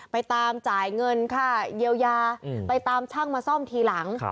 ไปตามจ่ายเงินค่าเยียวยาไปตามช่างมาซ่อมทีหลัง